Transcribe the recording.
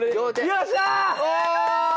よっしゃー！